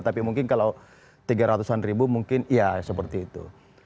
tapi mungkin kalau tiga ratusan ribu mungkin iya seperti itu